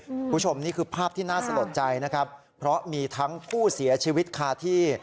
คุณผู้ชมนี่คือภาพที่น่าสลดใจนะครับเพราะมีทั้งผู้เสียชีวิตคาที่